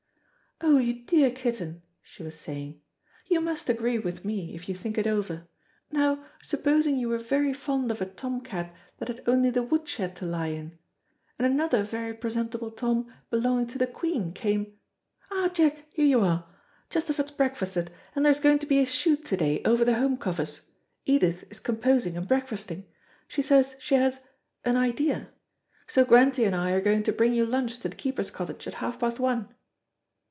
"Oh, you dear kitten," she was saying, "you must agree with me, if you think it over. Now, supposing you were very fond of a tom cat that had only the woodshed to lie in, and another very presentable torn belonging to the Queen came Ah, Jack, here you are. Chesterford's breakfasted, and there's going to be a shoot to day over the home covers. Edith is composing and breakfasting. She says she has an idea. So Grantie and I are going to bring you lunch to the keeper's cottage at half past one."